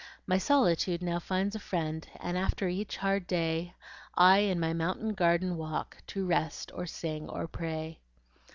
My solitude now finds a friend, And after each hard day, I in my mountain garden walk, To rest, or sing, or pray.